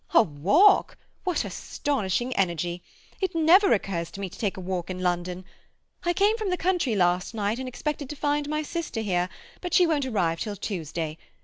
"A walk? What astonishing energy! It never occurs to me to take a walk in London. I came from the country last night and expected to find my sister here, but she won't arrive till Tuesday.